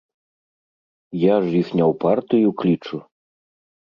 Я ж іх не ў партыю клічу.